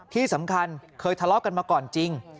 ที่สำคัญเคยทะเลาะกันมาก่อนจริง